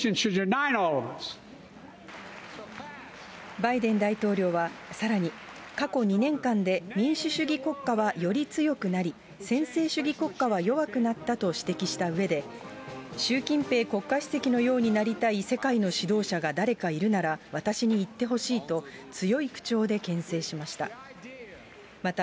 バイデン大統領はさらに、過去２年間で民主主義国家はより強くなり、専制主義国家は弱くなったと指摘したうえで、習近平国家主席のようになりたい世界の指導者が誰かいるなら、私に言ってほしいと、強い口調でけん制しました。